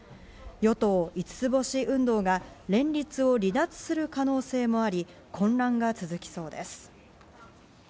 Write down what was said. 与党・五つ星運動が連立を離脱する可能性もあり、混乱が続きそうです。